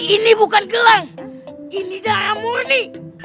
ini bukan gelang ini darah murni